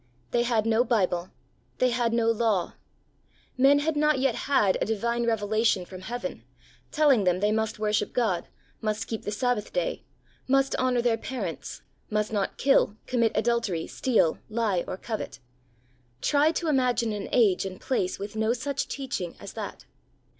They had no Bible. They had no law. Men had not yet had a divine revelation from heaven, telling them they must worship God, must keep the Sabbath day, must honour their parents, must not kill, commit adultery, steal, lie, or covet. Try to imagine an age and place with no such teaching as that